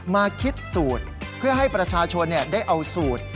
มาคิดสูตรเพื่อให้ประชาชนได้เอาสูตร